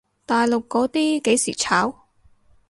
大陸嗰啲幾時炒？